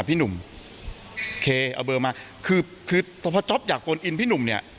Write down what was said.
พี่หนุ่มเคเอาเบอร์มาคือคือพอจ๊อปอยากโฟนอินพี่หนุ่มเนี่ย